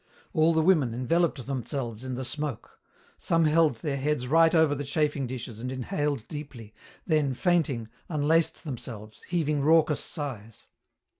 All the women enveloped themselves in the smoke. Some held their heads right over the chafing dishes and inhaled deeply, then, fainting, unlaced themselves, heaving raucous sighs.